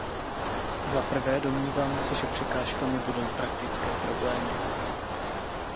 Za prvé, Domníváme se, že překážkami budou praktické problémy.